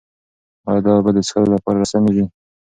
ایا دا اوبه د څښلو لپاره سمې دي؟